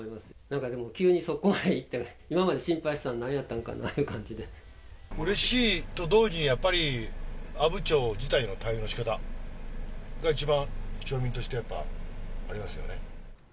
なんかでも、急にそこまでいったら、今まで心配してたのは、うれしいと同時に、やっぱり阿武町自体の対応のしかた、一番、町民として、やっぱありますよね。